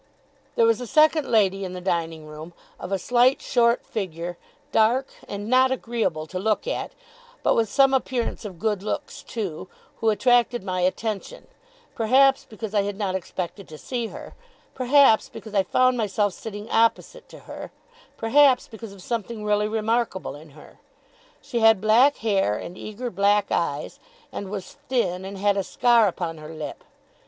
There was a second lady in the dining room, of a slight short figure, dark, and not agreeable to look at, but with some appearance of good looks too, who attracted my attention: perhaps because I had not expected to see her; perhaps because I found myself sitting opposite to her; perhaps because of something really remarkable in her. She had black hair and eager black eyes, and was thin, and had a scar upon her lip.